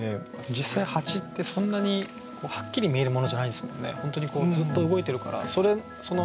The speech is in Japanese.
実際蜂ってそんなにはっきり見えるものじゃないですもんね。